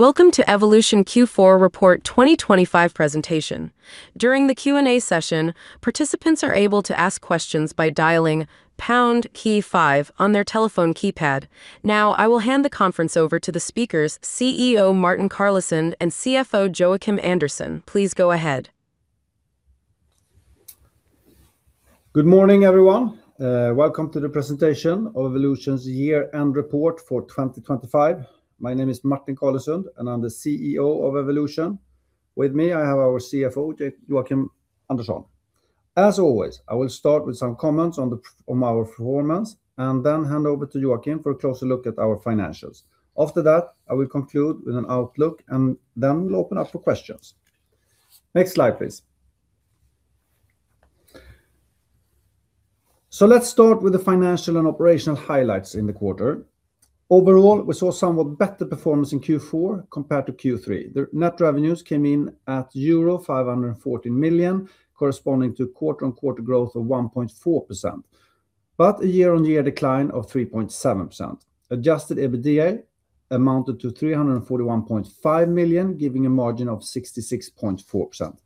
Welcome to Evolution Q4 report 2025 presentation. During the Q&A session, participants are able to ask questions by dialing pound key five on their telephone keypad. Now, I will hand the conference over to the speakers, CEO Martin Carlesund and CFO Joakim Andersson. Please go ahead. Good morning, everyone. Welcome to the presentation of Evolution's year-end report for 2025. My name is Martin Carlesund, and I'm the CEO of Evolution. With me, I have our CFO, Joakim Andersson. As always, I will start with some comments on our performance and then hand over to Joakim for a closer look at our financials. After that, I will conclude with an outlook and then we'll open up for questions. Next slide, please. So let's start with the financial and operational highlights in the quarter. Overall, we saw somewhat better performance in Q4 compared to Q3. The net revenues came in at euro 514 million, corresponding to quarter-on-quarter growth of 1.4%, but a year-on-year decline of 3.7%. Adjusted EBITDA amounted to 341.5 million, giving a margin of 66.4%.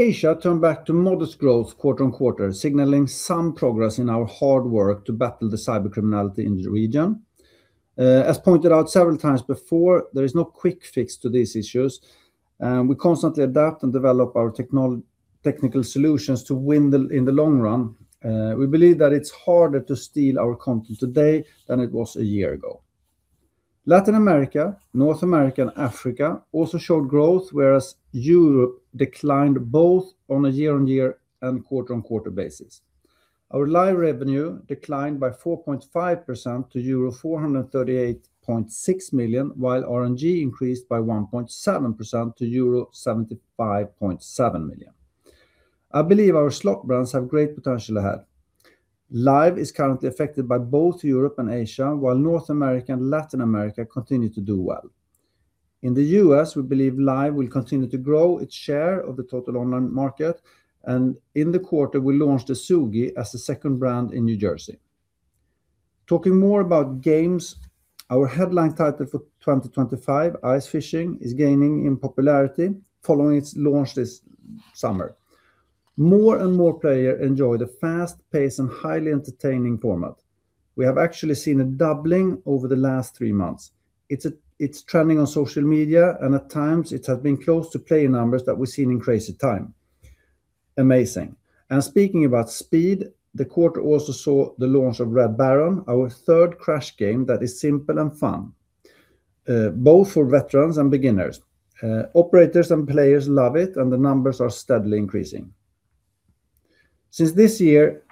Asia turned back to modest growth quarter-over-quarter, signaling some progress in our hard work to battle the cybercriminality in the region. As pointed out several times before, there is no quick fix to these issues, and we constantly adapt and develop our technical solutions to win in the long run. We believe that it's harder to steal our content today than it was a year ago. Latin America, North America, and Africa also showed growth, whereas Europe declined both on a year-over-year and quarter-over-quarter basis. Our Live revenue declined by 4.5% to euro 438.6 million, while RNG increased by 1.7% to euro 75.7 million. I believe our slot brands have great potential ahead. Live is currently affected by both Europe and Asia, while North America and Latin America continue to do well. In the U.S., we believe Live will continue to grow its share of the total online market, and in the quarter we launched Ezugi as the second brand in New Jersey. Talking more about games, our headline title for 2025, Ice Fishing, is gaining in popularity following its launch this summer. More and more players enjoy the fast pace and highly entertaining format. We have actually seen a doubling over the last three months. It's trending on social media, and at times it has been close to player numbers that we've seen in Crazy Time. Amazing. And speaking about speed, the quarter also saw the launch of Red Baron, our third crash game that is simple and fun, both for veterans and beginners. Operators and players love it, and the numbers are steadily increasing. Since this year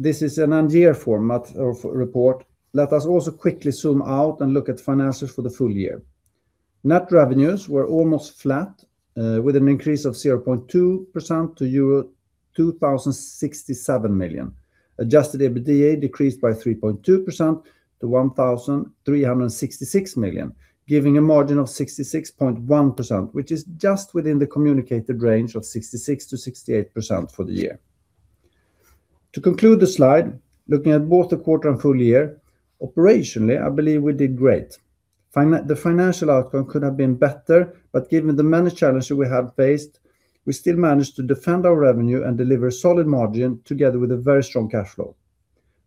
this is an end-year format of report, let us also quickly zoom out and look at finances for the full year. Net revenues were almost flat, with an increase of 0.2% to euro 2,067 million. Adjusted EBITDA decreased by 3.2% to 1,366 million, giving a margin of 66.1%, which is just within the communicated range of 66%-68% for the year. To conclude the slide, looking at both the quarter and full year, operationally I believe we did great. But the financial outcome could have been better, but given the many challenges we have faced, we still managed to defend our revenue and deliver a solid margin together with a very strong cash flow.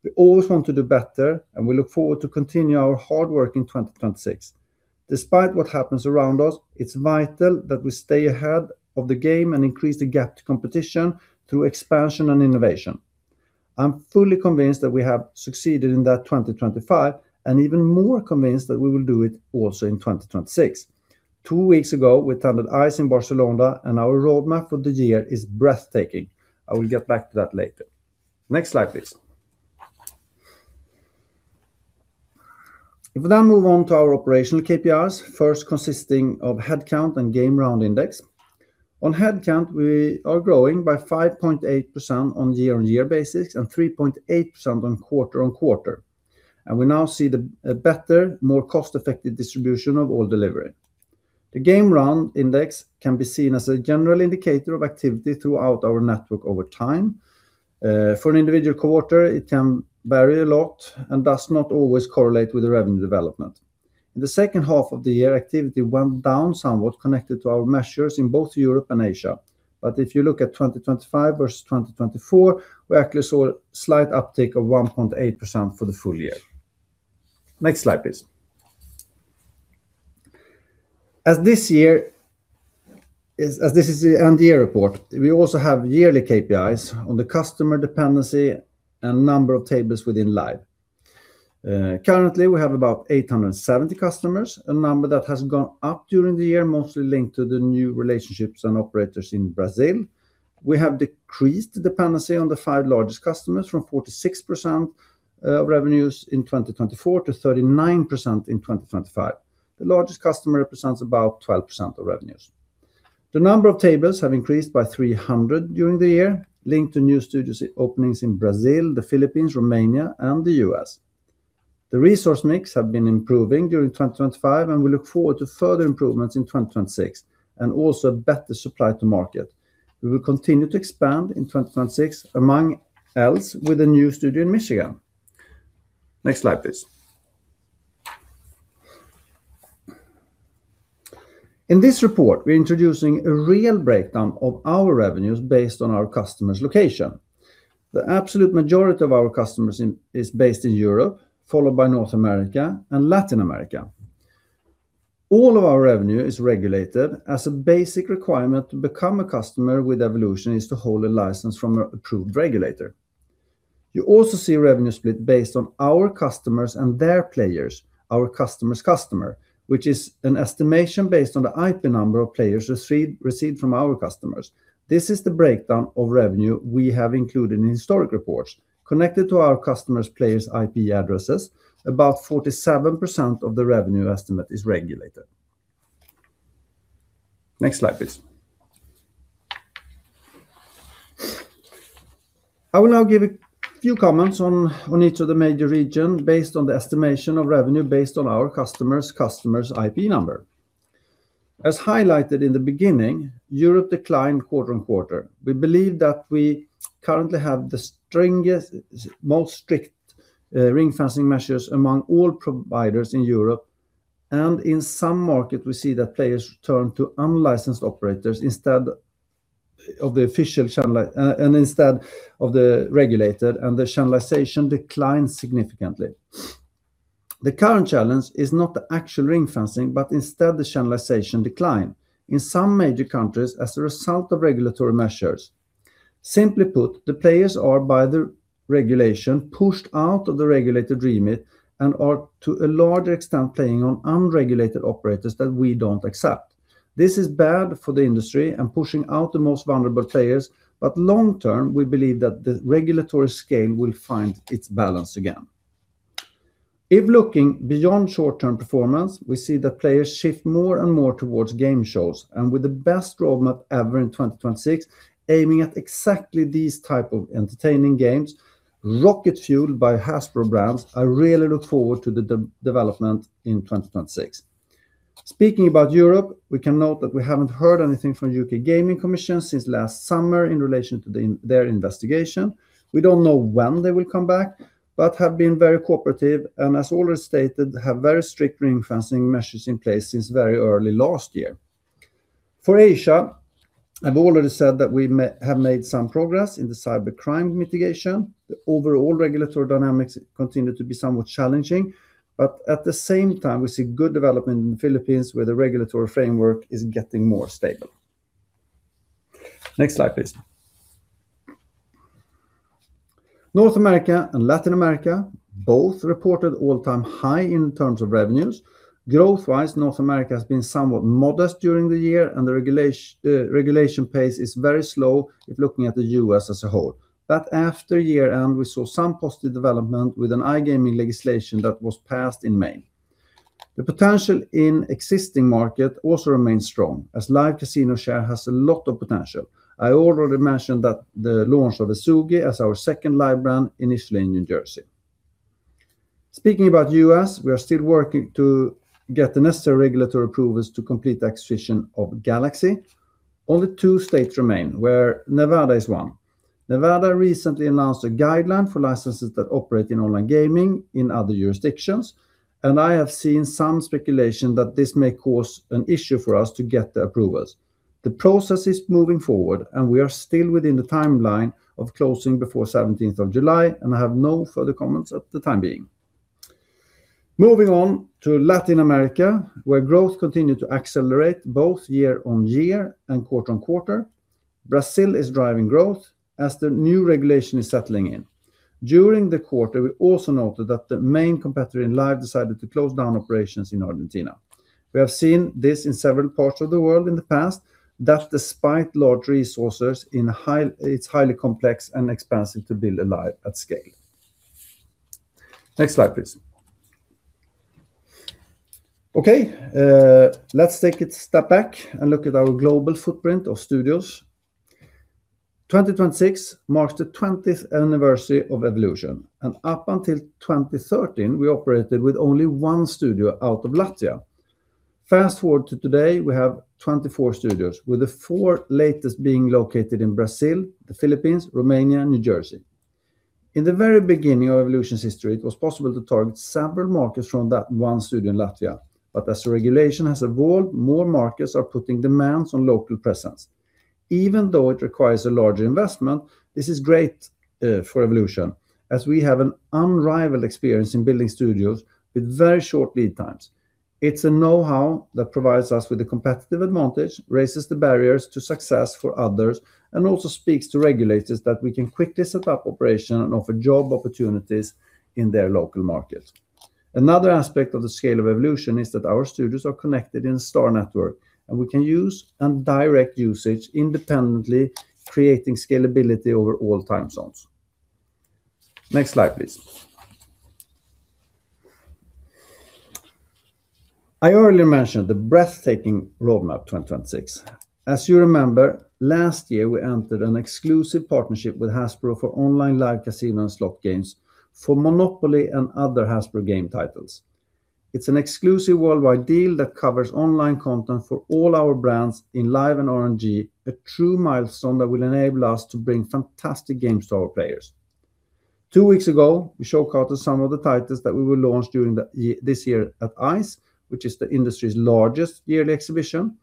We always want to do better, and we look forward to continuing our hard work in 2026. Despite what happens around us, it's vital that we stay ahead of the game and increase the gap to competition through expansion and innovation. I'm fully convinced that we have succeeded in that 2025 and even more convinced that we will do it also in 2026. Two weeks ago we turned up at ICE in Barcelona, and our roadmap for the year is breathtaking. I will get back to that later. Next slide, please. If we then move on to our operational KPIs, first consisting of headcount and Game Round Index. On headcount we are growing by 5.8% on year-on-year basis and 3.8% on quarter-on-quarter, and we now see a better, more cost-effective distribution of all delivery. The Game Round Index can be seen as a general indicator of activity throughout our network over time. For an individual quarter it can vary a lot and does not always correlate with the revenue development. In the second half of the year activity went down somewhat connected to our measures in both Europe and Asia, but if you look at 2025 versus 2024 we actually saw a slight uptick of 1.8% for the full year. Next slide, please. As this is the end-year report we also have yearly KPIs on the customer dependency and number of tables within Live. Currently we have about 870 customers, a number that has gone up during the year mostly linked to the new relationships and operators in Brazil. We have decreased dependency on the five largest customers from 46% of revenues in 2024 to 39% in 2025. The largest customer represents about 12% of revenues. The number of tables have increased by 300 during the year linked to new studios openings in Brazil, the Philippines, Romania, and the U.S. The resource mix has been improving during 2025, and we look forward to further improvements in 2026 and also a better supply to market. We will continue to expand in 2026 among else with a new studio in Michigan. Next slide, please. In this report we're introducing a real breakdown of our revenues based on our customers' location. The absolute majority of our customers is based in Europe followed by North America and Latin America. All of our revenue is regulated as a basic requirement to become a customer with Evolution is to hold a license from an approved regulator. You also see revenue split based on our customers and their players, our customer's customer, which is an estimation based on the IP number of players received from our customers. This is the breakdown of revenue we have included in historic reports. Connected to our customers' players' IP addresses, about 47% of the revenue estimate is regulated. Next slide, please. I will now give a few comments on each of the major regions based on the estimation of revenue based on our customer's IP number. As highlighted in the beginning, Europe declined quarter-on-quarter. We believe that we currently have the strictest most strict ring-fencing measures among all providers in Europe, and in some markets we see that players turn to unlicensed operators instead of the official channel and instead of the regulated, and the channelization declines significantly. The current challenge is not .the actual ring-fencing but instead the channelization decline in some major countries as a result of regulatory measures. Simply put, the players are by the regulation pushed out of the regulated remit and are to a larger extent playing on unregulated operators that we don't accept. This is bad for the industry and pushing out the most vulnerable players, but long-term we believe that the regulatory scale will find its balance again. If looking beyond short-term performance we see that players shift more and more towards game shows, and with the best roadmap ever in 2026 aiming at exactly these types of entertaining games rocket-fueled by Hasbro brands I really look forward to the development in 2026. Speaking about Europe we can note that we haven't heard anything from the UK Gambling Commission since last summer in relation to their investigation. We don't know when they will come back, but have been very cooperative and, as already stated, have very strict ring-fencing measures in place since very early last year. For Asia, I've already said that we may have made some progress in the cybercrime mitigation. The overall regulatory dynamics continue to be somewhat challenging, but at the same time we see good development in the Philippines where the regulatory framework is getting more stable. Next slide, please. North America and Latin America both reported all-time high in terms of revenues. Growth-wise, North America has been somewhat modest during the year, and the regulation pace is very slow if looking at the U.S. as a whole. But after year-end we saw some positive development with an iGaming legislation that was passed in May. The potential in existing market also remains strong as Live Casino share has a lot of potential. I already mentioned that the launch of Ezugi as our second Live brand initially in New Jersey. Speaking about U.S. we are still working to get the necessary regulatory approvals to complete the acquisition of Galaxy. Only two states remain where Nevada is one. Nevada recently announced a guideline for licenses that operate in online gaming in other jurisdictions, and I have seen some speculation that this may cause an issue for us to get the approvals. The process is moving forward, and we are still within the timeline of closing before 17th of July, and I have no further comments at the time being. Moving on to Latin America where growth continued to accelerate both year-on-year and quarter-on-quarter. Brazil is driving growth as the new regulation is settling in. During the quarter we also noted that the main competitor in Live decided to close down operations in Argentina. We have seen this in several parts of the world in the past that despite large resources, it's highly complex and expensive to build a Live at scale. Next slide, please. Okay, let's take a step back and look at our global footprint of studios. 2026 marks the 20th anniversary of Evolution, and up until 2013 we operated with only one studio out of Latvia. Fast forward to today, we have 24 studios with the four latest being located in Brazil, the Philippines, Romania, and New Jersey. In the very beginning of Evolution's history, it was possible to target several markets from that one studio in Latvia, but as the regulation has evolved more markets are putting demands on local presence. Even though it requires a larger investment, this is great for Evolution as we have an unrivaled experience in building studios with very short lead times. It's a know-how that provides us with a competitive advantage, raises the barriers to success for others, and also speaks to regulators that we can quickly set up operation and offer job opportunities in their local markets. Another aspect of the scale of Evolution is that our studios are connected in a star network, and we can use and direct usage independently, creating scalability over all time zones. Next slide, please. I earlier mentioned the breathtaking Roadmap 2026. As you remember, last year we entered an exclusive partnership with Hasbro for online Live Casino and slot games for Monopoly and other Hasbro game titles. It's an exclusive worldwide deal that covers online content for all our brands in Live and RNG, a true milestone that will enable us to bring fantastic games to our players. Two weeks ago we showcased some of the titles that we will launch during the year this year at ICE which is the industry's largest yearly exhibition.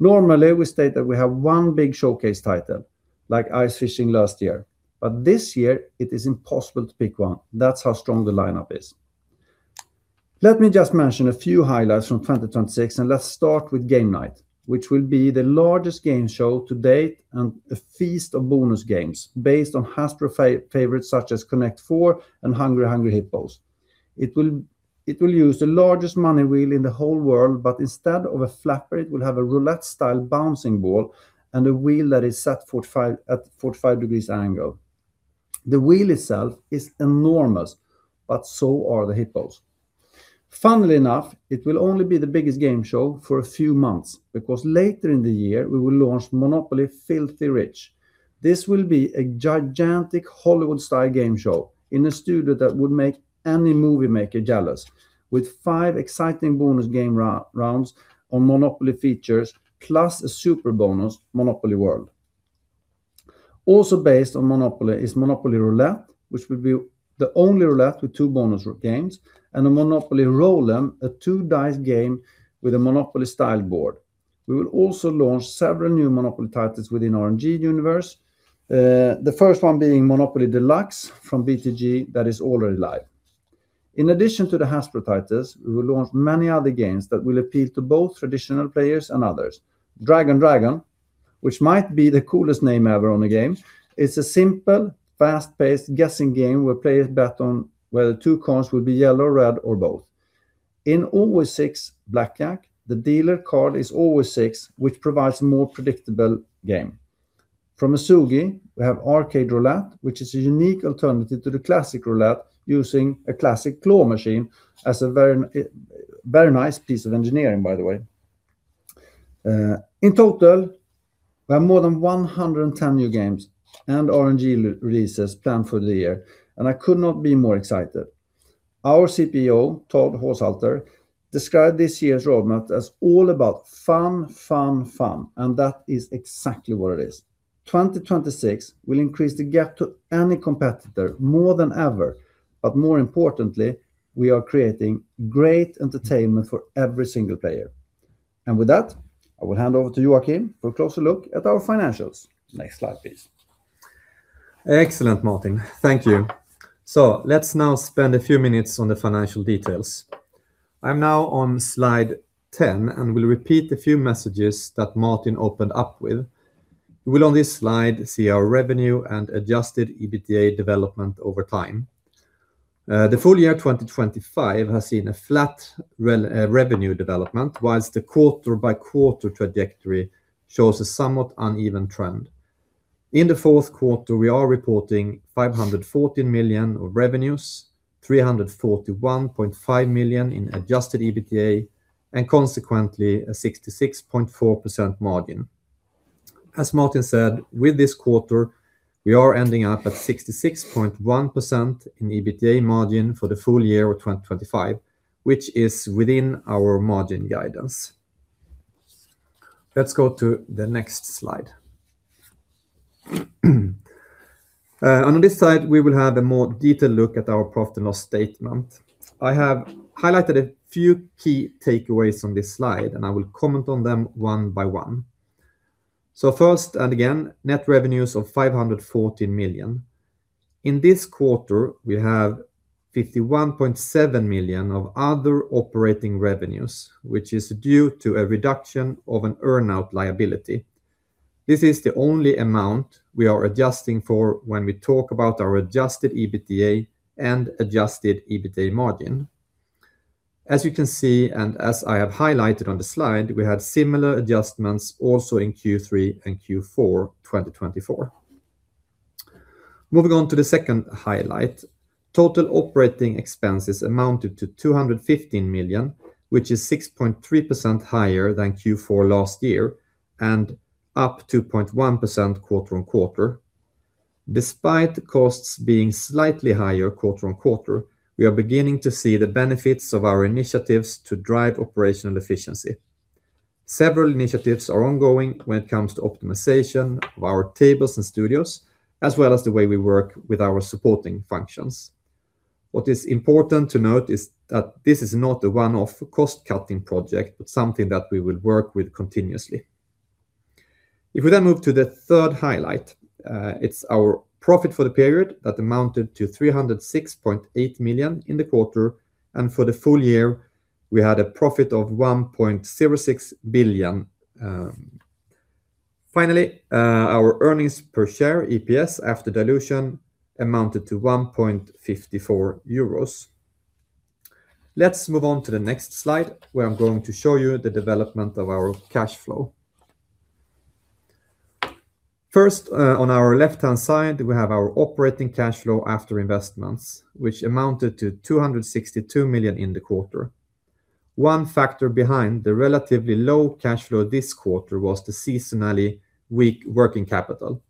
Normally we state that we have one big showcase title like Ice Fishing last year, but this year it is impossible to pick one. That's how strong the lineup is. Let me just mention a few highlights from 2026, and let's start with Game Night which will be the largest game show to date and a feast of bonus games based on Hasbro favorites such as Connect 4 and Hungry Hungry Hippos. It will use the largest money wheel in the whole world, but instead of a flapper it will have a roulette-style bouncing ball and a wheel that is set at a 45-degree angle. The wheel itself is enormous, but so are the hippos. Funnily enough it will only be the biggest game show for a few months because later in the year we will launch Monopoly Filthy Rich. This will be a gigantic Hollywood-style game show in a studio that would make any movie maker jealous with five exciting bonus game rounds on Monopoly features plus a super bonus Monopoly World. Also based on Monopoly is Monopoly Roulette which will be the only roulette with two bonus games and a Monopoly Roll 'N' a two-dice game with a Monopoly-style board. We will also launch several new Monopoly titles within RNG universe, the first one being Monopoly Deluxe from BTG that is already Live. In addition to the Hasbro titles we will launch many other games that will appeal to both traditional players and others. Dragon Dragon, which might be the coolest name ever on a game, is a simple fast-paced guessing game where players bet on whether two coins would be yellow, red, or both. In Always 6 Blackjack, the dealer card is Always 6, which provides a more predictable game. From Ezugi, we have Arcade Roulette, which is a unique alternative to the classic roulette using a classic claw machine as a very very nice piece of engineering by the way. In total, we have more than 110 new games and RNG releases planned for the year, and I could not be more excited. Our CPO Todd Haushalter described this year's roadmap as all about fun, fun, fun, and that is exactly what it is. 2026 will increase the gap to any competitor more than ever, but more importantly we are creating great entertainment for every single player. And with that I will hand over to Joakim for a closer look at our financials. Next slide, please. Excellent, Martin. Thank you. So let's now spend a few minutes on the financial details. I'm now on slide 10 and will repeat a few messages that Martin opened up with. You will on this slide see our revenue and adjusted EBITDA development over time. The full year 2025 has seen a flat revenue development while the quarter-by-quarter trajectory shows a somewhat uneven trend. In the fourth quarter we are reporting 514 million of revenues, 341.5 million in adjusted EBITDA, and consequently a 66.4% margin. As Martin said, with this quarter we are ending up at 66.1% in EBITDA margin for the full year of 2025 which is within our margin guidance. Let's go to the next slide. On this side we will have a more detailed look at our profit and loss statement. I have highlighted a few key takeaways on this slide, and I will comment on them one by one. First, and again, net revenues of 514 million. In this quarter we have 51.7 million of other operating revenues which is due to a reduction of an earnout liability. This is the only amount we are adjusting for when we talk about our adjusted EBITDA and adjusted EBITDA margin. As you can see and as I have highlighted on the slide we had similar adjustments also in Q3 and Q4 2024. Moving on to the second highlight. Total operating expenses amounted to 215 million which is 6.3% higher than Q4 last year and up 2.1% quarter-on-quarter. Despite costs being slightly higher quarter-on-quarter, we are beginning to see the benefits of our initiatives to drive operational efficiency. Several initiatives are ongoing when it comes to optimization of our tables and studios as well as the way we work with our supporting functions. What is important to note is that this is not a one-off cost-cutting project but something that we will work with continuously. If we then move to the third highlight, it's our profit for the period that amounted to 306.8 million in the quarter, and for the full year we had a profit of 1.06 billion. Finally, our earnings per share (EPS) after dilution amounted to 1.54 euros. Let's move on to the next slide where I'm going to show you the development of our cash flow. First, on our left-hand side we have our operating cash flow after investments which amounted to 262 million in the quarter. One factor behind the relatively low cash flow this quarter was the seasonally weak working capital.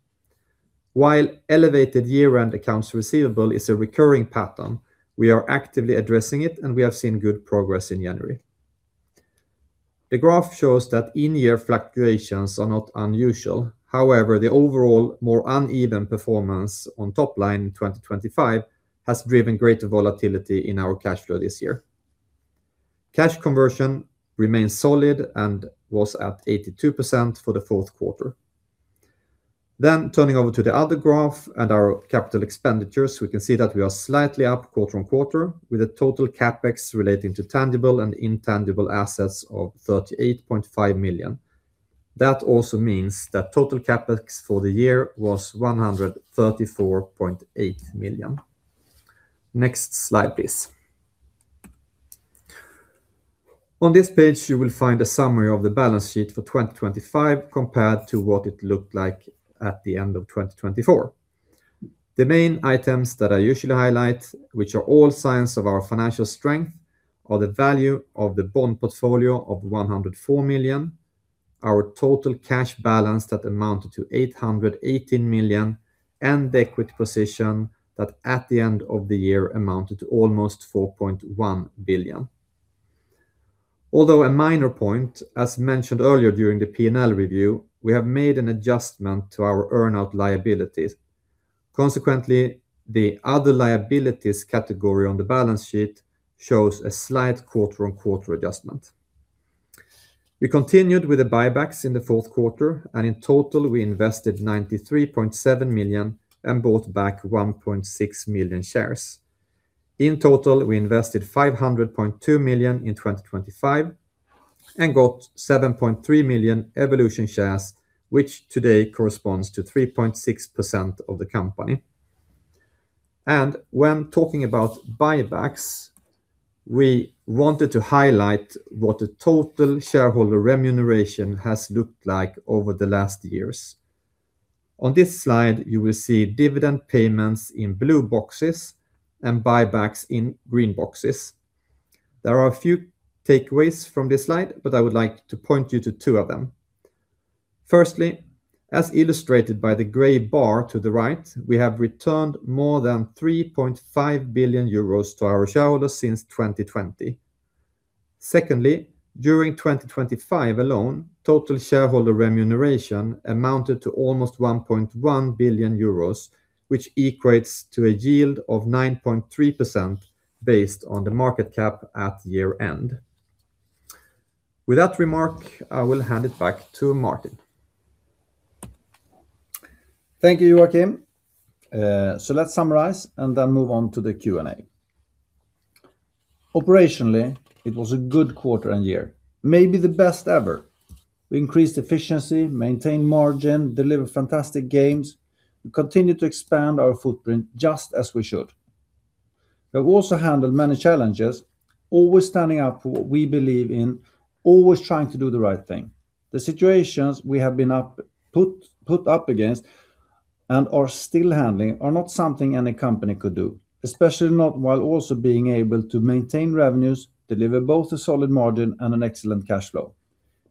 While elevated year-end accounts receivable is a recurring pattern, we are actively addressing it, and we have seen good progress in January. The graph shows that in-year fluctuations are not unusual. However, the overall more uneven performance on top line in 2025 has driven greater volatility in our cash flow this year. Cash conversion remains solid and was at 82% for the fourth quarter. Then turning over to the other graph and our capital expenditures we can see that we are slightly up quarter-on-quarter with a total CapEx relating to tangible and intangible assets of 38.5 million. That also means that total CapEx for the year was 134.8 million. Next slide, please. On this page you will find a summary of the balance sheet for 2025 compared to what it looked like at the end of 2024. The main items that I usually highlight which are all signs of our financial strength are the value of the bond portfolio of 104 million, our total cash balance that amounted to 818 million, and the equity position that at the end of the year amounted to almost 4.1 billion. Although a minor point as mentioned earlier during the P&L review, we have made an adjustment to our earnout liabilities. Consequently, the other liabilities category on the balance sheet shows a slight quarter-on-quarter adjustment. We continued with the buybacks in the fourth quarter, and in total we invested 93.7 million and bought back 1.6 million shares. In total we invested 500.2 million in 2025 and got 7.3 million Evolution shares which today corresponds to 3.6% of the company. When talking about buybacks we wanted to highlight what the total shareholder remuneration has looked like over the last years. On this slide you will see dividend payments in blue boxes and buybacks in green boxes. There are a few takeaways from this slide, but I would like to point you to two of them. Firstly as illustrated by the gray bar to the right we have returned more than 3.5 billion euros to our shareholders since 2020. Secondly during 2025 alone total shareholder remuneration amounted to almost 1.1 billion euros which equates to a yield of 9.3% based on the market cap at year-end. With that remark I will hand it back to Martin. Thank you, Joakim. So let's summarize and then move on to the Q&A. Operationally it was a good quarter and year. Maybe the best ever. We increased efficiency, maintained margin, delivered fantastic games, we continued to expand our footprint just as we should. We also handled many challenges always standing up for what we believe in always trying to do the right thing. The situations we have been put up against and are still handling are not something any company could do especially not while also being able to maintain revenues, deliver both a solid margin and an excellent cash flow.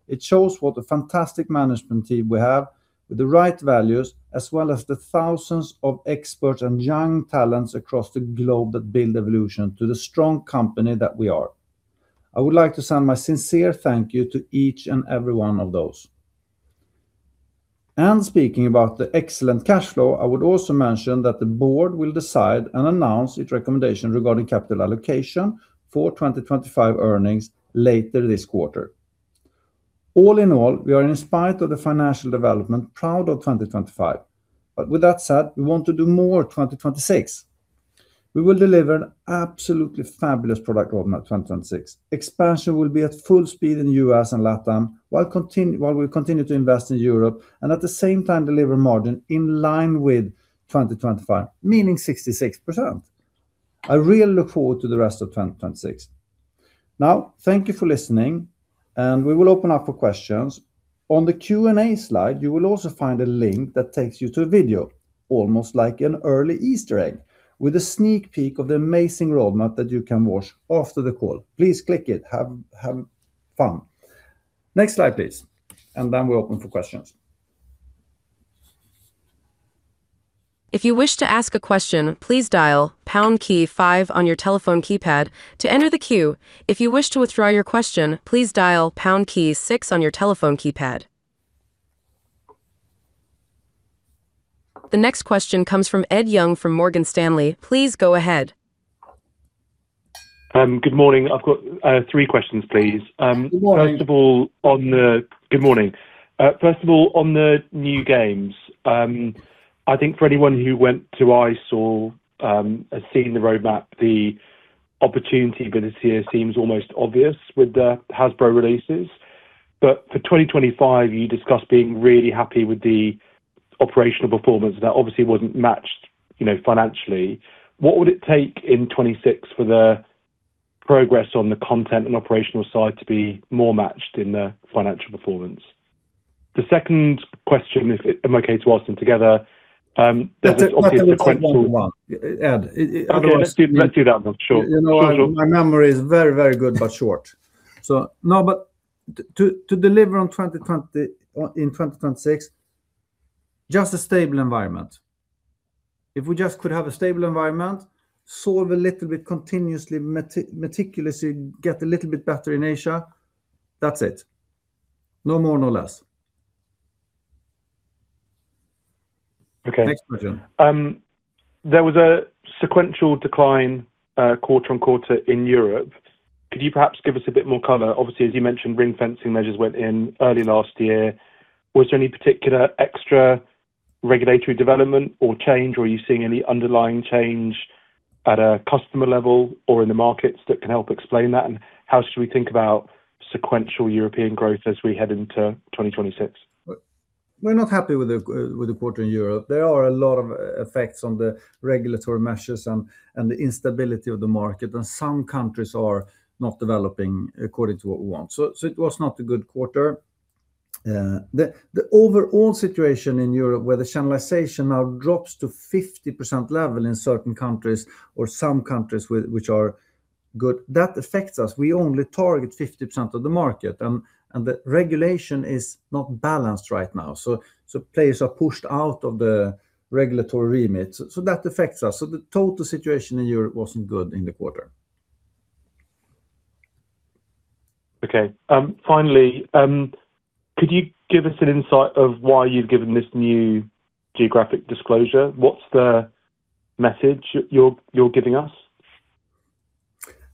It shows what a fantastic management team we have with the right values as well as the thousands of experts and young talents across the globe that build Evolution to the strong company that we are. I would like to send my sincere thank you to each and every one of those. Speaking about the excellent cash flow, I would also mention that the board will decide and announce its recommendation regarding capital allocation for 2025 earnings later this quarter. All in all, we are in spite of the financial development proud of 2025, but with that said we want to do more 2026. We will deliver an absolutely fabulous product Roadmap 2026. Expansion will be at full speed in the U.S. and LatAm while we continue to invest in Europe and at the same time deliver margin in line with 2025 meaning 66%. I really look forward to the rest of 2026. Now thank you for listening, and we will open up for questions. On the Q&A slide you will also find a link that takes you to a video almost like an early Easter egg with a sneak peek of the amazing roadmap that you can watch after the call. Please click it. Have fun. Next slide, please, and then we open for questions. If you wish to ask a question please dial pound key five on your telephone keypad to enter the queue. If you wish to withdraw your question please dial pound key six on your telephone keypad. The next question comes from Ed Young from Morgan Stanley. Please go ahead. Good morning. I've got three questions, please. First of all, on the new games. I think for anyone who went to ICE or has seen the roadmap the opportunity for this year seems almost obvious with the Hasbro releases. But for 2025 you discussed being really happy with the operational performance that obviously wasn't matched financially. What would it take in 2026 for the progress on the content and operational side to be more matched in the financial performance? The second question if I'm okay to ask them together. There's obviously a sequential. Sure. Sure. My memory is very, very good but short. So no but to deliver on 2020 in 2026 just a stable environment. If we just could have a stable environment solve a little bit continuously meticulously get a little bit better in Asia that's it. No more no less. Next question. There was a sequential decline quarter-over-quarter in Europe. Could you perhaps give us a bit more color? Obviously as you mentioned ring-fencing measures went in early last year. Was there any particular extra regulatory development or change or are you seeing any underlying change at a customer level or in the markets that can help explain that? And how should we think about sequential European growth as we head into 2026? We're not happy with the quarter in Europe. There are a lot of effects on the regulatory measures and the instability of the market, and some countries are not developing according to what we want. So it was not a good quarter. The overall situation in Europe where the channelization now drops to 50% level in certain countries or some countries which are good that affects us. We only target 50% of the market, and the regulation is not balanced right now. So players are pushed out of the regulatory remit. So that affects us. So the total situation in Europe wasn't good in the quarter. Okay. Finally, could you give us an insight of why you've given this new geographic disclosure? What's the message you're giving us?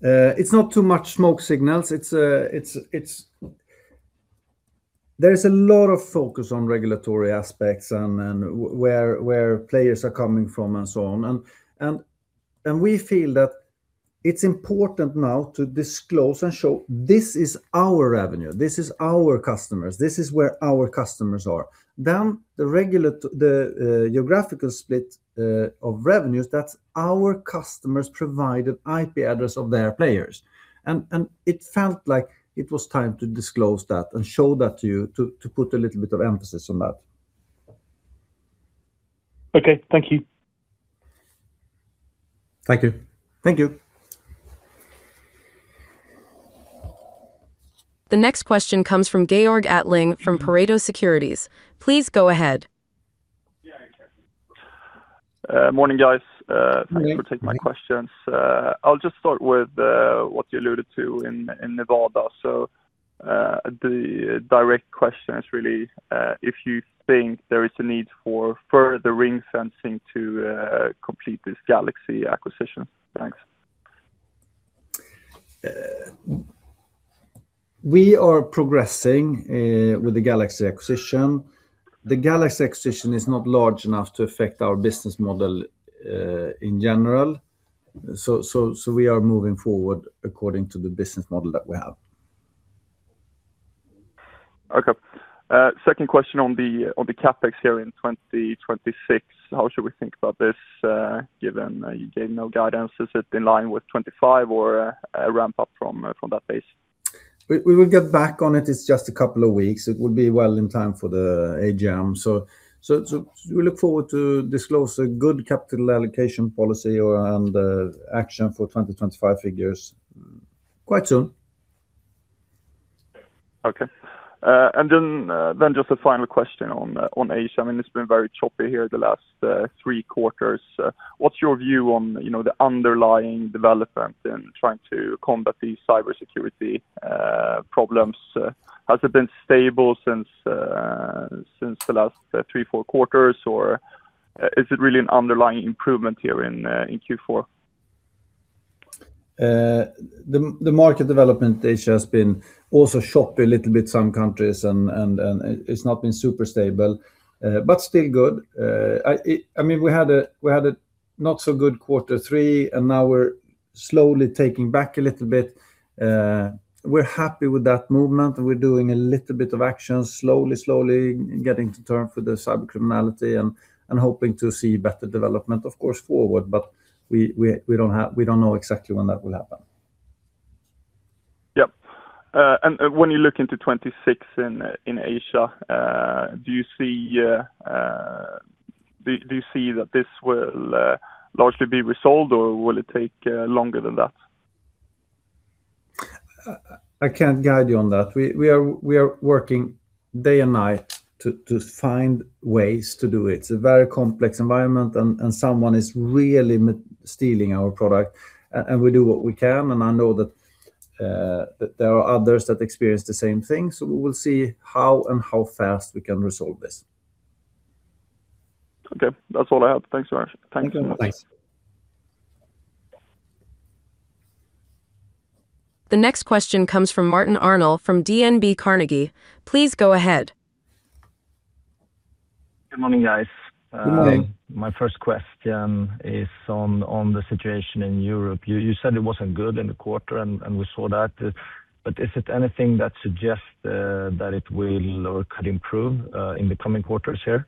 It's not too much smoke signals. There's a lot of focus on regulatory aspects and where players are coming from and so on. And we feel that it's important now to disclose and show this is our revenue. This is our customers. This is where our customers are. Then the geographical split of revenues that's our customers provided IP address of their players. And it felt like it was time to disclose that and show that to you to put a little bit of emphasis on that. Okay. Thank you. Thank you. Thank you. The next question comes from Georg Attling from Pareto Securities. Please go ahead. Morning, guys. Thanks for taking my questions. I'll just start with what you alluded to in Nevada. So the direct question is really if you think there is a need for further ring-fencing to complete this Galaxy acquisition. Thanks. We are progressing with the Galaxy acquisition. The Galaxy acquisition is not large enough to affect our business model in general. So we are moving forward according to the business model that we have. Okay. Second question on the CapEx here in 2026. How should we think about this given you gave no guidance? Is it in line with 2025 or a ramp-up from that base? We will get back on it. It's just a couple of weeks. It will be well in time for the AGM. So we look forward to disclose a good capital allocation policy and action for 2025 figures quite soon. Okay. And then just a final question on Asia. I mean it's been very choppy here the last three quarters. What's your view on the underlying development in trying to combat these cybersecurity problems? Has it been stable since the last three, four quarters or is it really an underlying improvement here in Q4? The market development in Asia has been also choppy a little bit some countries and it's not been super stable but still good. I mean we had a not so good quarter three and now we're slowly taking back a little bit. We're happy with that movement and we're doing a little bit of action slowly, slowly getting to terms with the cybercriminality and hoping to see better development of course forward but we don't know exactly when that will happen. Yep. When you look into 2026 in Asia do you see that this will largely be resolved or will it take longer than that? I can't guide you on that. We are working day and night to find ways to do it. It's a very complex environment and someone is really stealing our product and we do what we can and I know that there are others that experience the same thing so we will see how and how fast we can resolve this. Okay. That's all I have. Thanks very much. Thanks. The next question comes from Martin Arnell from DNB Carnegie. Please go ahead. Good morning guys. My first question is on the situation in Europe. You said it wasn't good in the quarter and we saw that but is it anything that suggests that it will or could improve in the coming quarters here?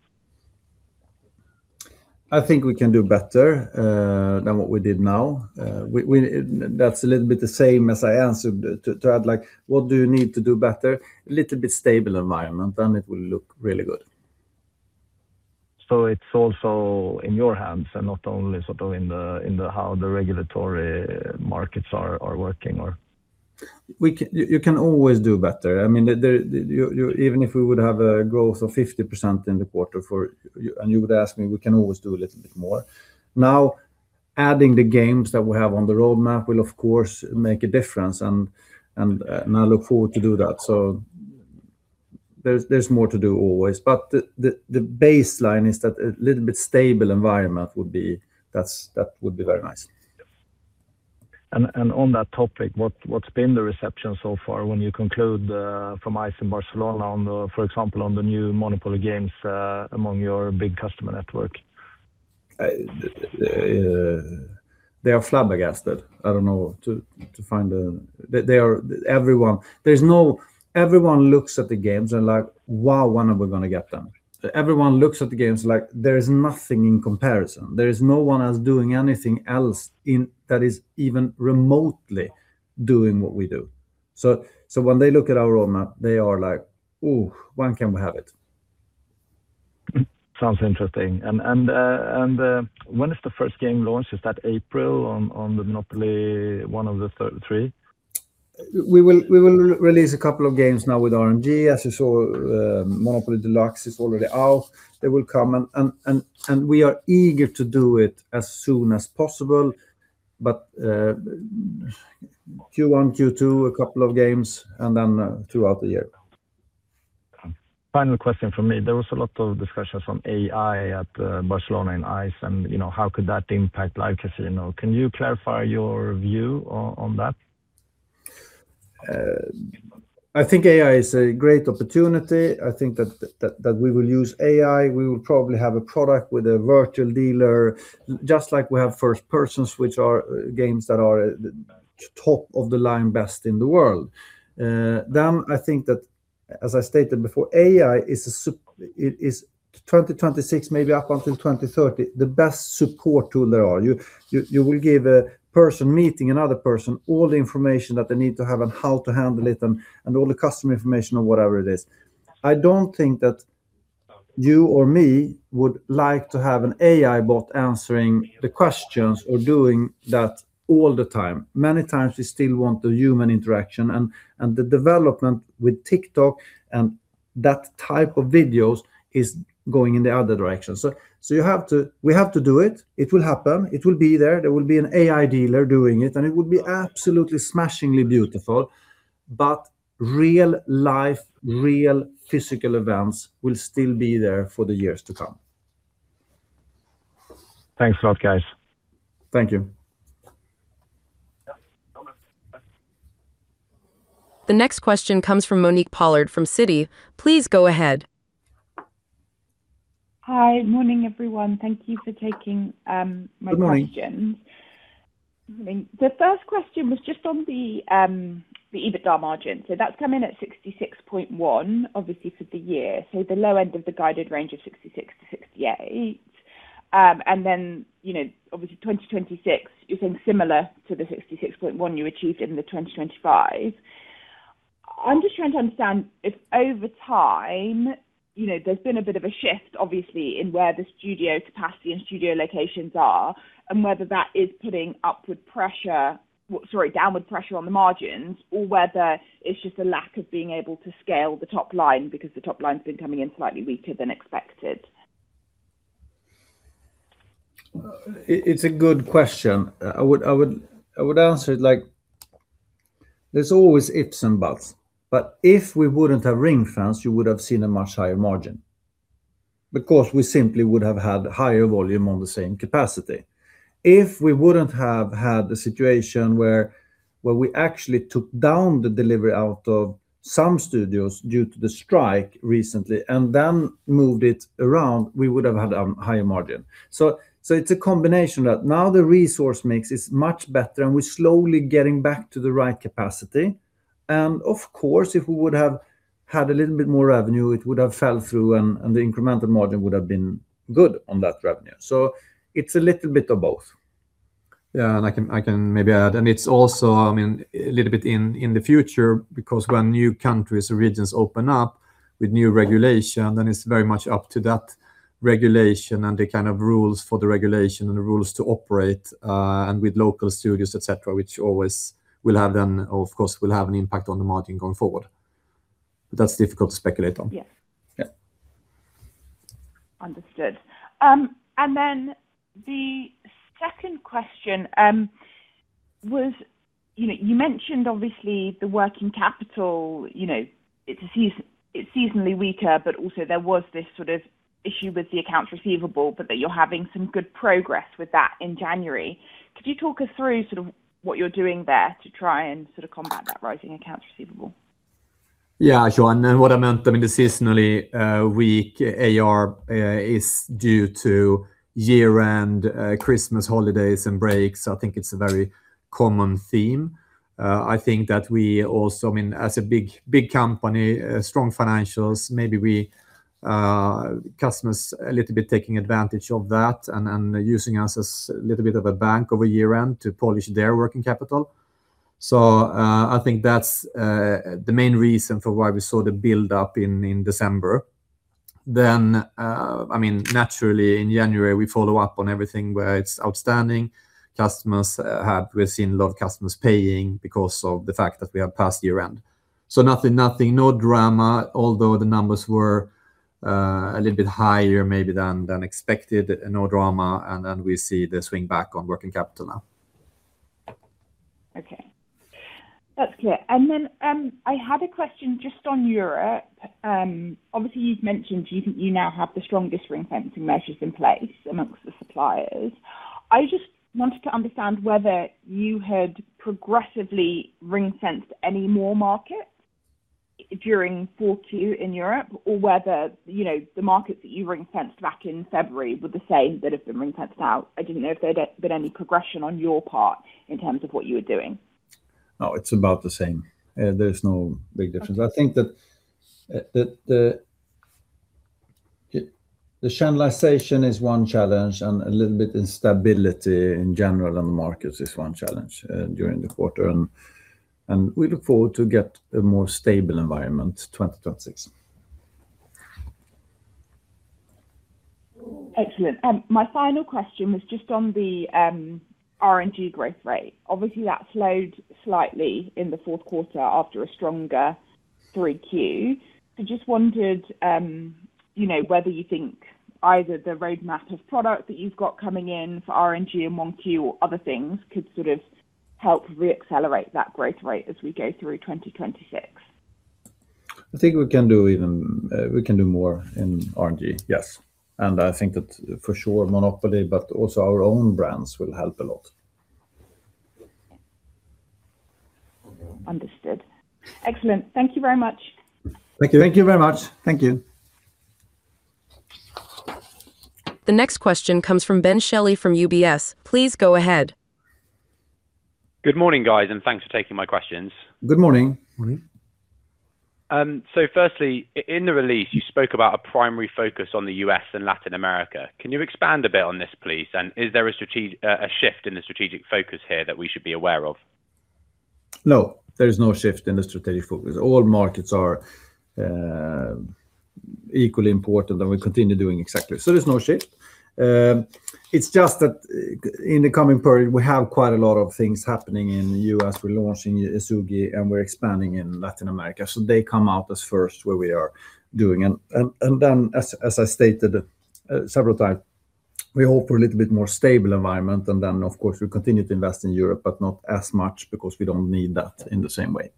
I think we can do better than what we did now. That's a little bit the same as I answered to add what do you need to do better? A little bit stable environment, then it will look really good. So it's also in your hands and not only sort of in how the regulatory markets are working, or? You can always do better. I mean even if we would have a growth of 50% in the quarter and you would ask me we can always do a little bit more. Now adding the games that we have on the roadmap will of course make a difference and I look forward to do that. So there's more to do always but the baseline is that a little bit stable environment would be that would be very nice. And on that topic what's been the reception so far when you conclude from ICE in Barcelona for example on the new Monopoly games among your big customer network? They are flabbergasted. I don't know to find anyone. There's no one. Everyone looks at the games and wow, when are we going to get them? Everyone looks at the games like there is nothing in comparison. There is no one else doing anything else that is even remotely doing what we do. So when they look at our roadmap they are when can we have it? Sounds interesting. And when is the first game launched? Is that April on the Monopoly one of the three? We will release a couple of games now with RNG as you saw. Monopoly Deluxe is already out. They will come and we are eager to do it as soon as possible but Q1, Q2 a couple of games and then throughout the year. Final question from me. There was a lot of discussions on AI at Barcelona in ICE and how could that impact Live casino. Can you clarify your view on that? I think AI is a great opportunity. I think that we will use AI. We will probably have a product with a virtual dealer just like we have First Person which are games that are top of the line best in the world. Then I think that as I stated before AI is a 2026 maybe up until 2030 the best support tool there are. You will give a person meeting another person all the information that they need to have and how to handle it and all the customer information or whatever it is. I don't think that you or me would like to have an AI bot answering the questions or doing that all the time. Many times we still want the human interaction and the development with TikTok and that type of videos is going in the other direction. So we have to do it. It will happen. It will be there. There will be an AI dealer doing it and it will be absolutely smashingly beautiful but real-life real physical events will still be there for the years to come. Thanks a lot guys. Thank you. The next question comes from Monique Pollard from Citi. Please go ahead. Hi. Morning everyone. Thank you for taking my questions. The first question was just on the EBITDA margin. So that's come in at 66.1% obviously for the year. So the low end of the guided range of 66%-68%. And then obviously 2026 you're saying similar to the 66.1% you achieved in the 2025. I'm just trying to understand if over time there's been a bit of a shift obviously in where the studio capacity and studio locations are and whether that is putting upward pressure sorry downward pressure on the margins or whether it's just a lack of being able to scale the top line because the top line's been coming in slightly weaker than expected. It's a good question. I would answer it. There's always ifs and buts, but if we wouldn't have ring-fenced you would have seen a much higher margin because we simply would have had higher volume on the same capacity. If we wouldn't have had a situation where we actually took down the delivery out of some studios due to the strike recently and then moved it around we would have had a higher margin. So it's a combination that now the resource mix is much better and we're slowly getting back to the right capacity. And of course if we would have had a little bit more revenue it would have flowed through and the incremental margin would have been good on that revenue. So it's a little bit of both. Yeah. And I can maybe add and it's also I mean a little bit in the future because when new countries or regions open up with new regulation then it's very much up to that regulation and the kind of rules for the regulation and the rules to operate and with local studios, etc., which always will have then of course will have an impact on the margin going forward. But that's difficult to speculate on. Yeah. Understood. And then the second question was you mentioned obviously the working capital. It's seasonally weaker, but also there was this sort of issue with the accounts receivable, but that you're having some good progress with that in January. Could you talk us through sort of what you're doing there to try and sort of combat that rising accounts receivable? Yeah. Sure. And what I meant, I mean, the seasonally weak AR is due to year-end Christmas holidays and breaks. I think it's a very common theme. I think that we also, I mean, as a big company with strong financials, maybe our customers a little bit taking advantage of that and using us as a little bit of a bank over year-end to polish their working capital. So I think that's the main reason for why we saw the buildup in December. Then, I mean, naturally in January we follow up on everything where it's outstanding. We've seen a lot of customers paying because of the fact that we have passed year-end. So nothing no drama although the numbers were a little bit higher maybe than expected. No drama. And then we see the swing back on working capital now. Okay. That's clear. And then I had a question just on Europe. Obviously you've mentioned you think you now have the strongest ring-fencing measures in place amongst the suppliers. I just wanted to understand whether you had progressively ring-fenced any more markets during Q4 in Europe or whether the markets that you ring-fenced back in February were the same that have been ring-fenced out. I didn't know if there had been any progression on your part in terms of what you were doing. No. It's about the same. There's no big difference. I think that the channelization is one challenge and a little bit instability in general on the markets is one challenge during the quarter and we look forward to get a more stable environment 2026. Excellent. My final question was just on the RNG growth rate. Obviously that slowed slightly in the fourth quarter after a stronger Q3. So just wondered whether you think either the roadmap of product that you've got coming in for RNG in Q1 or other things could sort of help reaccelerate that growth rate as we go through 2026. I think we can do even we can do more in RNG. Yes. And I think that for sure Monopoly but also our own brands will help a lot. Understood. Excellent. Thank you very much. Thank you very much. Thank you. The next question comes from Ben Shelley from UBS. Please go ahead. Good morning, guys, and thanks for taking my questions. Good morning. Morning. So, firstly, in the release, you spoke about a primary focus on the U.S. and Latin America. Can you expand a bit on this, please, and is there a shift in the strategic focus here that we should be aware of? No. There's no shift in the strategic focus. All markets are equally important, and we continue doing exactly. So, there's no shift. It's just that in the coming period, we have quite a lot of things happening in the U.S. We're launching Ezugi, and we're expanding in Latin America. So, they come out as first where we are doing. Then as I stated several times, we hope for a little bit more stable environment, and then of course we continue to invest in Europe but not as much because we don't need that in the same way.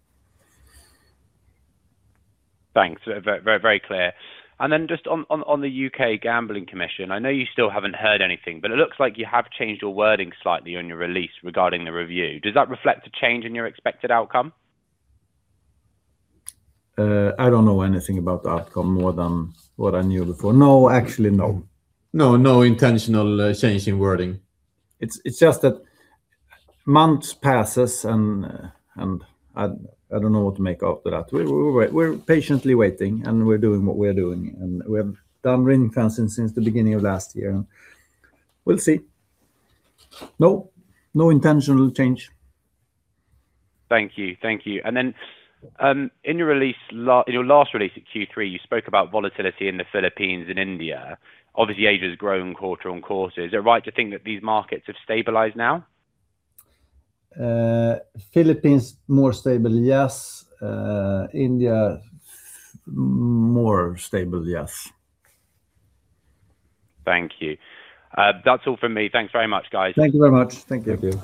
Thanks. Very clear. Then just on the UK Gambling Commission, I know you still haven't heard anything, but it looks like you have changed your wording slightly on your release regarding the review. Does that reflect a change in your expected outcome? I don't know anything about the outcome more than what I knew before. No. Actually no. No. No intentional change in wording. It's just that months pass and I don't know what to make of that. We're patiently waiting and we're doing what we're doing and we have done ring-fencing since the beginning of last year and we'll see. No. No intentional change. Thank you. Thank you. And then in your last release at Q3 you spoke about volatility in the Philippines and India. Obviously, Asia's grown quarter-on-quarter. Is it right to think that these markets have stabilized now? Philippines more stable. Yes. India more stable. Yes. Thank you. That's all from me. Thanks very much guys. Thank you very much. Thank you.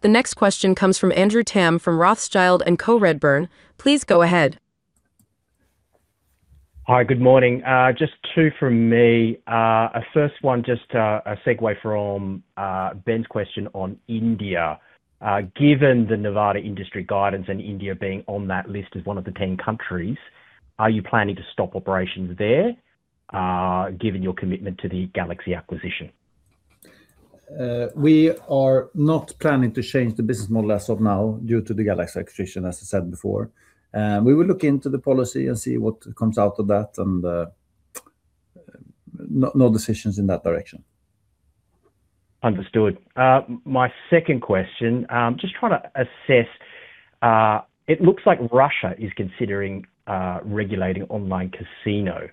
The next question comes from Andrew Tam from Rothschild & Co Redburn. Please go ahead. Hi. Good morning. Just two from me. A first one just a segue from Ben's question on India. Given the Nevada industry guidance and India being on that list as one of the 10 countries are you planning to stop operations there given your commitment to the Galaxy acquisition? We are not planning to change the business model as of now due to the Galaxy acquisition as I said before. We will look into the policy and see what comes out of that and no decisions in that direction. Understood. My second question, just trying to assess, it looks like Russia is considering regulating online casino.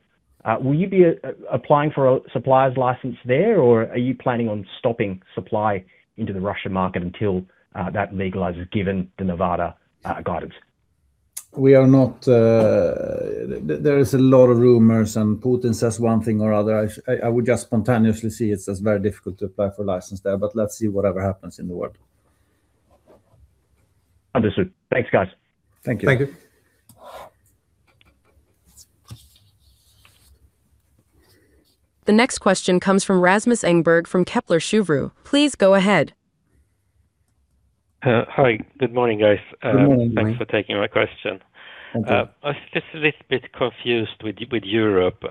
Will you be applying for a supplier's license there or are you planning on stopping supply into the Russian market until that legalizes given the Nevada guidance? We are not. There is a lot of rumors and Putin says one thing or other. I would just spontaneously see it's very difficult to apply for license there but let's see whatever happens in the world. Understood. Thanks guys. Thank you. Thank you. The next question comes from Rasmus Engberg from Kepler Cheuvreux. Please go ahead. Hi. Good morning guys. Thanks for taking my question. I'm just a little bit confused with Europe.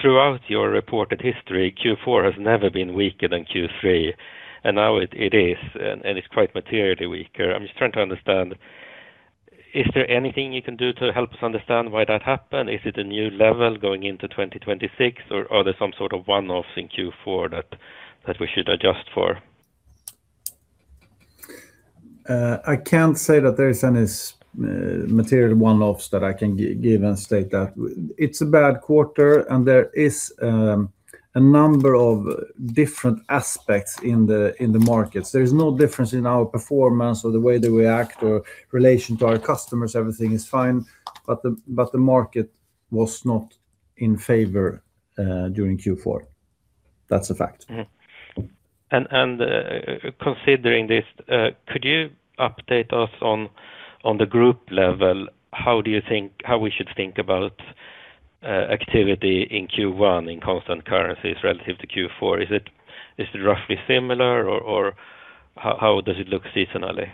Throughout your reported history, Q4 has never been weaker than Q3, and now it is, and it's quite materially weaker. I'm just trying to understand, is there anything you can do to help us understand why that happened? Is it a new level going into 2026 or are there some sort of one-offs in Q4 that we should adjust for? I can't say that there is any material one-offs that I can give and state that. It's a bad quarter, and there is a number of different aspects in the markets. There is no difference in our performance or the way that we act in relation to our customers. Everything is fine, but the market was not in favor during Q4. That's a fact. Considering this, could you update us on the group level how do you think how we should think about activity in Q1 in constant currencies relative to Q4? Is it roughly similar or how does it look seasonally?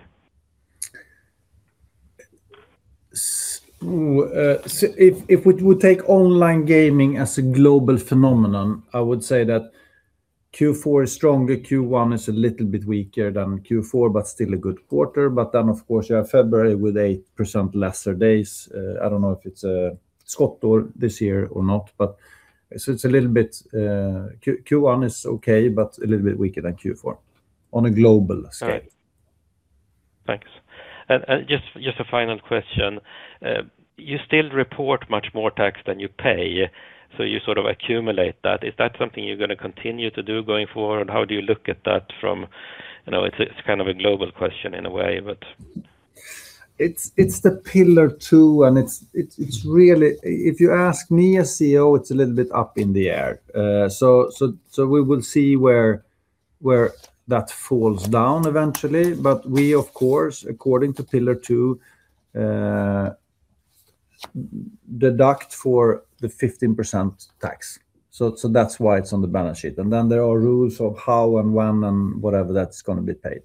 If we would take online gaming as a global phenomenon, I would say that Q4 is stronger. Q1 is a little bit weaker than Q4 but still a good quarter. But then of course you have February with 8% lesser days. I don't know if it's a skottår this year or not but so it's a little bit Q1 is okay but a little bit weaker than Q4 on a global scale. Thanks. Just a final question. You still report much more tax than you pay so you sort of accumulate that. Is that something you're going to continue to do going forward, and how do you look at that from—it's kind of a global question in a way, but? It's the Pillar Two, and it's really, if you ask me as CEO, it's a little bit up in the air. So we will see where that falls down eventually, but we of course, according to Pillar Two, deduct for the 15% tax. So that's why it's on the balance sheet. And then there are rules of how and when and whatever that's going to be paid.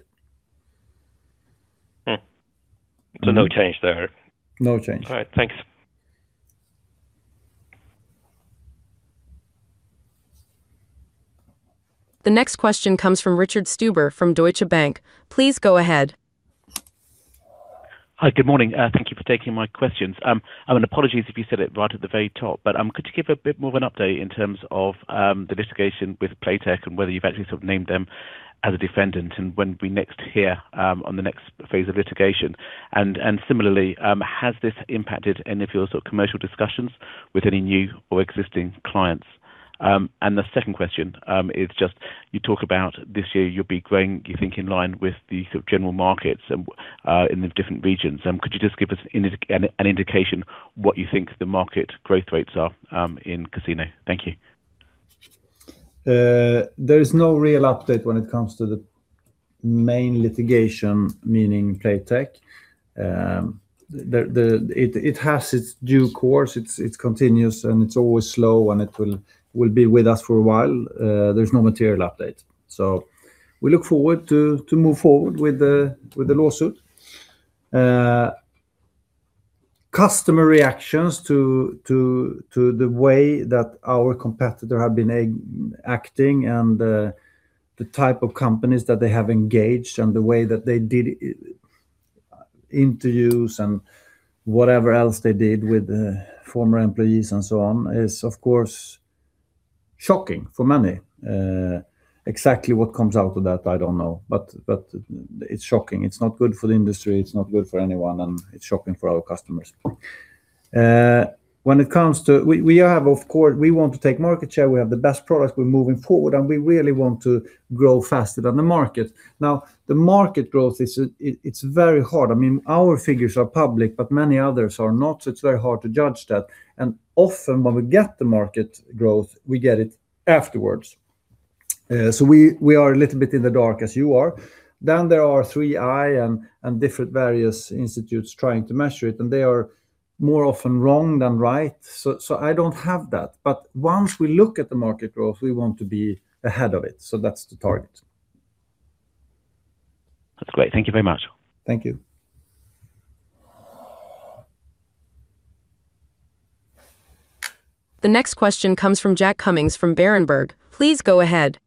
So no change there. No change. All right. Thanks. The next question comes from Richard Stuber from Deutsche Bank. Please go ahead. Hi. Good morning. Thank you for taking my questions. And apologies if you said it right at the very top, but could you give a bit more of an update in terms of the litigation with Playtech and whether you've actually sort of named them as a defendant and when we next hear on the next phase of litigation. And similarly, has this impacted any of your sort of commercial discussions with any new or existing clients? And the second question is just you talk about this year you'll be growing you think in line with the sort of general markets in the different regions. Could you just give us an indication what you think the market growth rates are in casino? Thank you. There is no real update when it comes to the main litigation meaning Playtech. It has its due course. It's continuous and it's always slow and it will be with us for a while. There's no material update. So we look forward to move forward with the lawsuit. Customer reactions to the way that our competitor have been acting and the type of companies that they have engaged and the way that they did interviews and whatever else they did with former employees and so on is of course shocking for many. Exactly what comes out of that I don't know but it's shocking. It's not good for the industry. It's not good for anyone and it's shocking for our customers. When it comes to we have of course we want to take market share. We have the best products. We're moving forward and we really want to grow faster than the market. Now the market growth it's very hard. I mean our figures are public but many others are not so it's very hard to judge that. And often when we get the market growth we get it afterwards. So we are a little bit in the dark as you are. Then there are three I and different various institutes trying to measure it and they are more often wrong than right. So I don't have that, but once we look at the market growth we want to be ahead of it. So that's the target. That's great. Thank you very much. Thank you. The next question comes from Jack Cummings from Berenberg. Please go ahead.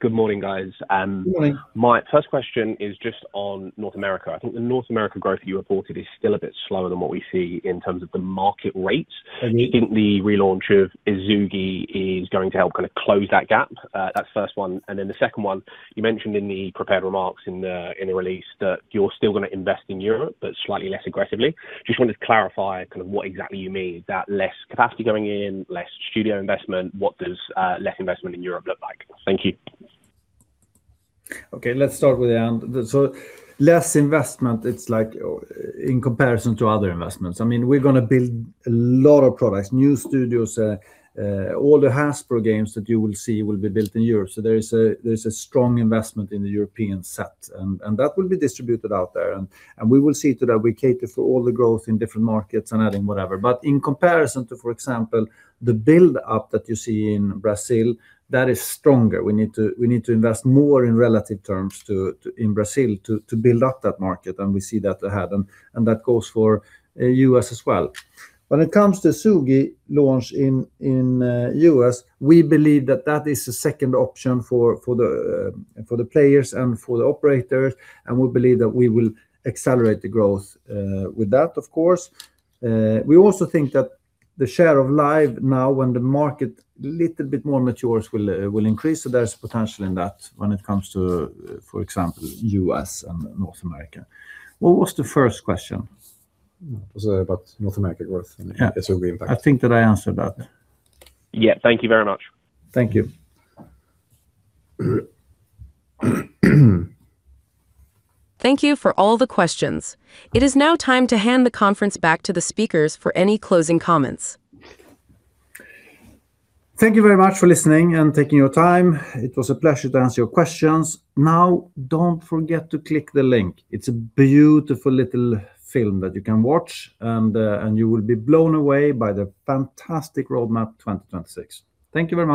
Good morning guys. Good morning. My first question is just on North America. I think the North America growth you reported is still a bit slower than what we see in terms of the market rates. Do you think the relaunch of Ezugi is going to help kind of close that gap? That's first one. Then the second one you mentioned in the prepared remarks in the release that you're still going to invest in Europe but slightly less aggressively. Just wanted to clarify kind of what exactly you mean. Is that less capacity going in? Less studio investment? What does less investment in Europe look like? Thank you. Okay. Let's start with the end. So less investment it's like in comparison to other investments. I mean we're going to build a lot of products. New studios. All the Hasbro games that you will see will be built in Europe. So there is a strong investment in the European set and that will be distributed out there and we will see to that we cater for all the growth in different markets and adding whatever. But in comparison to for example the buildup that you see in Brazil that is stronger. We need to invest more in relative terms in Brazil to build up that market and we see that ahead and that goes for U.S. as well. When it comes to Ezugi launch in U.S. we believe that that is a second option for the players and for the operators and we believe that we will accelerate the growth with that of course. We also think that the share of Live now when the market a little bit more matures will increase. So there's potential in that when it comes to for example U.S. and North America. What was the first question? Was it about North America growth and Ezugi impact? I think that I answered that. Yeah. Thank you very much. Thank you. Thank you for all the questions. It is now time to hand the conference back to the speakers for any closing comments. Thank you very much for listening and taking your time. It was a pleasure to answer your questions. Now don't forget to click the link. It's a beautiful little film that you can watch and you will be blown away by the fantastic Roadmap 2026. Thank you very much.